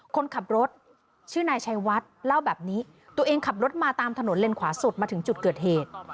คนขับรถชื่อนายชัยวัดเล่าแบบนี้ตัวเองขับรถมาตามถนนเลนขวาสุดมาถึงจุดเกิดเหตุ